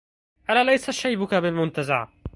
ألا ليس شيبك بالمتزع